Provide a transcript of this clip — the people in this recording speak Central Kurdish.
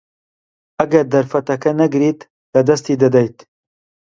ئەگەر دەرفەتەکە نەگریت، لەدەستی دەدەیت.